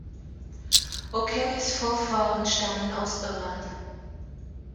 O’Kellys Vorfahren stammen aus Irland.